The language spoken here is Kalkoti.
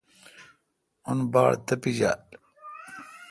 اون باڑ تپیجال۔